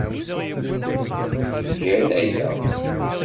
Gan aya.